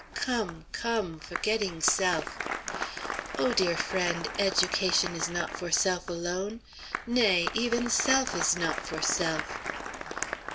Come, come, forgetting self!' Oh, dear friend, education is not for self alone! Nay, even self is not for self!"